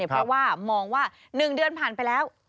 เพราะว่ามองว่า๑เดือนผ่านไปแล้ว